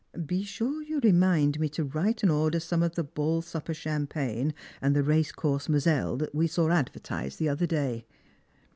Be sure you remind me to write and order some of the Ball supper Champagne and the Racecourse Moselle we saw advertised the other day."